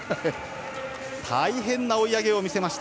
大変な追い上げを見せました。